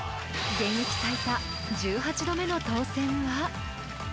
現役最多１８度目の当選は？